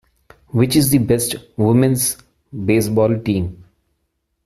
Which is the best women's baseball team?